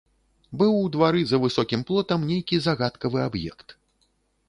Быў у двары за высокім плотам нейкі загадкавы аб'ект.